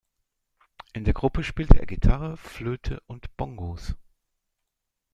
In der Gruppe spielte er Gitarre, Flöte und Bongos.